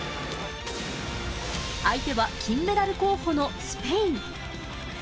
相手は金メダル候補のスペイン。